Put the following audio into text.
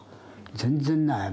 全然ない。